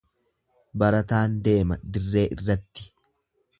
Barataan deema dirree irratti.